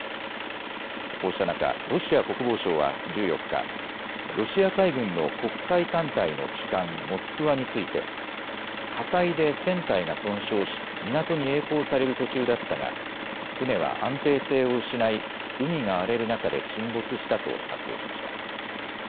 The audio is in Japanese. こうした中、ロシア国防省は１４日、ロシア海軍の黒海艦隊の旗艦、モスクワについて火災で船体が損傷し、港にえい航される途中だったが船は安定性を失い海が荒れる中で沈没したと発表しました。